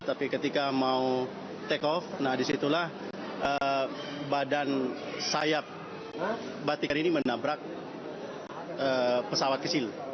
tapi ketika mau take off nah disitulah badan sayap batikan ini menabrak pesawat kecil